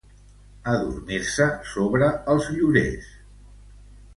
Adormir-se sobre els llorers.